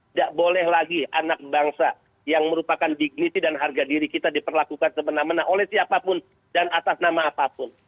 tidak boleh lagi anak bangsa yang merupakan dignity dan harga diri kita diperlakukan semena mena oleh siapapun dan atas nama apapun